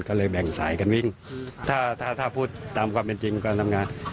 ก็เลยแบ่งสายกันวิ่งถ้าถ้าพูดตามความเป็นจริงการทำงาน